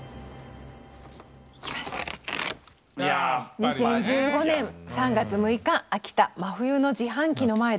２０１５年３月６日「秋田真冬の自販機の前で」。